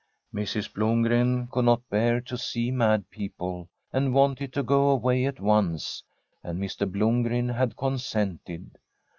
Mrs. Blomg^en could not bear to see mad people, and wanted to go away at once, and Mr. Blomgren had consented.